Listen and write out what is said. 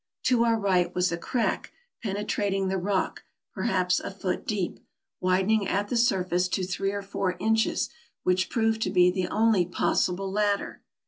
To our right was a crack penetrating the rock perhaps a foot deep, widen AMERICA 115 ing at the surface to three or four inches, which proved to be the only possible ladder.